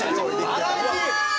バラエティー。